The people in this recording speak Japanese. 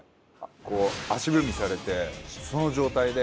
こう足踏みされてその状態でＢ